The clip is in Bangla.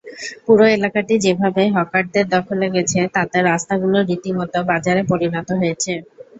পুরো এলাকাটি যেভাবে হকারদের দখলে গেছে, তাতে রাস্তাগুলো রীতিমতো বাজারে পরিণত হয়েছে।